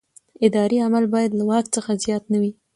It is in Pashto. اداري عمل باید له واک څخه زیات نه وي.